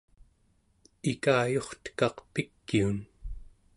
ikayurtekaq pikiun